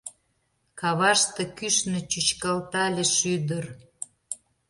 Каваште, кӱшнö, чӱчкалтале шӱдыр.